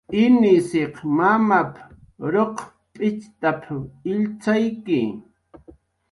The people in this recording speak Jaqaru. "Inisaq mamap"" ruq p'itxt""ap illtzakyi"